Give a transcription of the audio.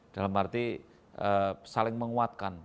dalam arti saling menguatkan